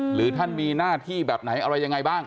หรือท่านมีหน้าที่แบบไหนอะไรยังไงบ้าง